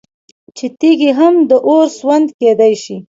چې تيږي هم د اور سوند كېدى شي